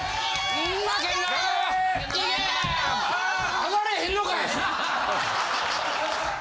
上がれへんのかい！